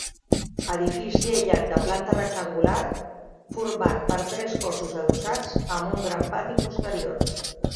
Edifici aïllat de planta rectangular, format per tres cossos adossats, amb un gran pati posterior.